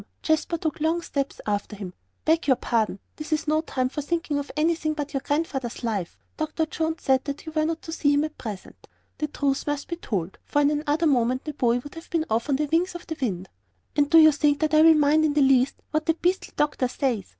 Jasper took long steps after him. "Beg your pardon, this is no time for thinking of anything but your Grandfather's life. Dr. Jones said you were not to see him at present." The truth must be told, for in another moment the boy would have been off on the wings of the wind. "And do you think that I will mind in the least what that beastly doctor says?"